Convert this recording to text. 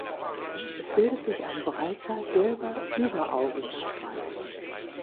Es bildet sich ein breiter gelber Überaugenstreif.